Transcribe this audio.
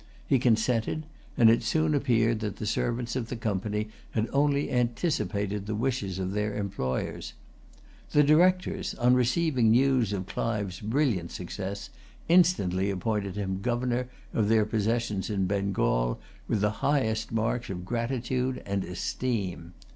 He consented; and it soon appeared that the servants of the Company had only anticipated the wishes of their employers. The Directors, on receiving news of Clive's brilliant success, instantly appointed him governor of their possessions in Bengal, with the highest marks of gratitude and esteem.